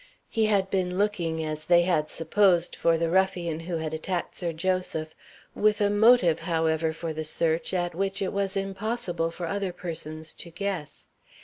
(He had been looking, as they had supposed, for the ruffian who had attacked Sir Joseph; with a motive, however, for the search at which it was impossible for other persons to guess.